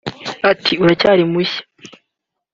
Ati"Uracyari mushya